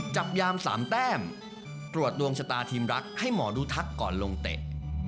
จับยาม๓แต้มตรวจดวงชะตาทีมรักให้หมอดูทักก่อนลงเตะ